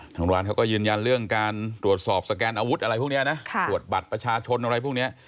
ทางร้านเขาก็ยืนยันเรื่องการตรวจสอบสแกนอาวุธอะไรพวกนี้นะตรวจบัตรประชาชนอะไรพวกนี้